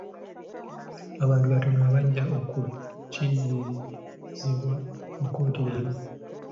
Abantu batono abajja okukkirizibwa mu kkooti leero.